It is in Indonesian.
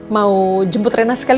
mau jemput rena sekali